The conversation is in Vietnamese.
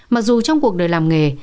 mặc dù trong cuộc đời làm nghề